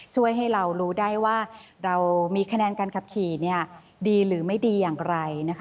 ช่วยให้เรารู้ได้ว่าเรามีคะแนนการขับขี่ดีหรือไม่ดีอย่างไรนะคะ